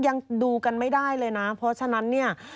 ยังดูกันไม่ได้เลยนะเพราะฉะนั้นเนี่ย